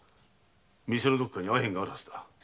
店のどこかに阿片があるはずだ。